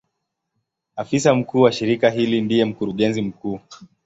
Afisa mkuu wa shirika hili ndiye Mkurugenzi mkuu.